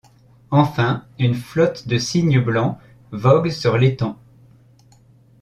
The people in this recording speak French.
Enfin une flotte de cygnes blancs vogue sur l’étang.